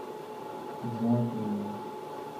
ils ont été aimé.